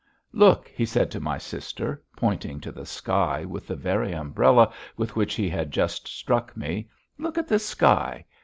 "Look!" he said to my sister, pointing to the sky with the very umbrella with which he had just struck me. "Look at the sky!